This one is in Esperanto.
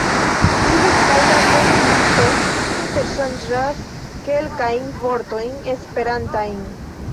Li kaj la vendisto interŝanĝas kelkajn vortojn esperantajn.